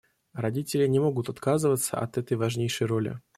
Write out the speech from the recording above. Родители не могут отказываться от этой важнейшей роли.